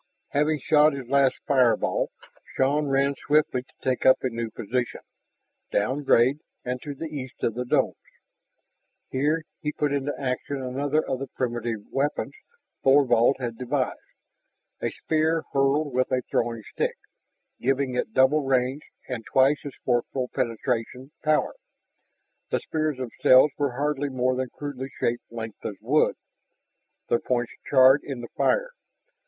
Having shot his last fireball, Shann ran swiftly to take up a new position, downgrade and to the east of the domes. Here he put into action another of the primitive weapons Thorvald had devised, a spear hurled with a throwing stick, giving it double range and twice as forceful penetration power. The spears themselves were hardly more than crudely shaped lengths of wood, their points charred in the fire.